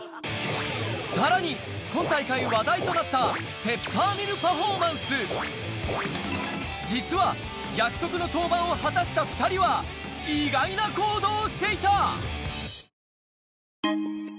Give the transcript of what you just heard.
さらに今大会話題となった実は約束の登板を果たした２人はじゃーん！